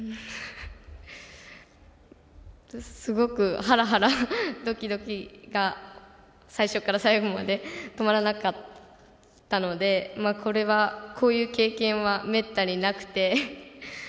すごくハラハラドキドキが最初から最後まで止まらなかったのでこういう経験はめったになくて。